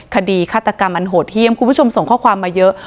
คดีฆาตกรรมอันโหดเยี่ยมคุณผู้ชมส่งข้อความมาเยอะ